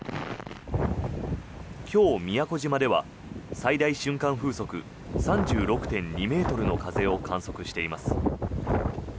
今日、宮古島では最大瞬間風速３６．２ｍの風を観測しています。